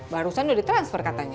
barusan udah di transfer katanya